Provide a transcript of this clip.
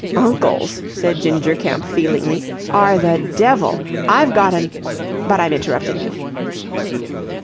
"Uncles," said Ginger Kemp, feelingly, "are the devil. I've got an... but I'm interrupting you."